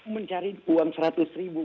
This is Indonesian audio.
mencari uang seratus ribu